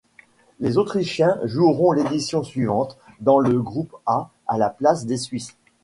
Les autrichiens joueront l'édition suivante dans le groupe A à la place des suisses.